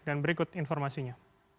dan berikut informasinya